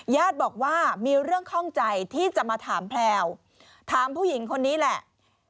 ญาติบอกว่ามีเรื่องข้องใจที่จะมาถามแพลวถามผู้หญิงคนนี้แหละ